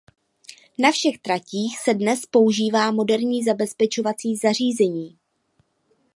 Na všech tratích se dnes používá moderní zabezpečovací zařízení.